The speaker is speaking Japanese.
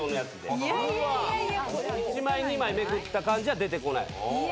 １枚２枚めくった感じじゃ出てこない。